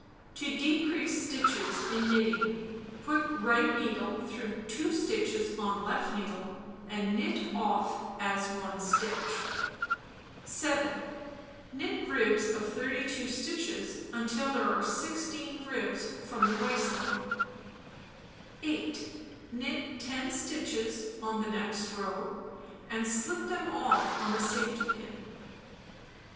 To Decrease Stitches in Knitting Put right needle through 2 stitches on left needle and knit off as 1 stitch. € nH^dllC/ *""" 7. Knit ribs of 32 stitches 9? until there are 10 ribs from the waist line. 8. Knit 10 stitches on the next row, and slip them off on a safety pin.